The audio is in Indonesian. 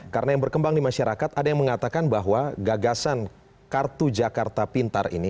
karena yang berkembang di masyarakat ada yang mengatakan bahwa gagasan kartu jakarta pintar ini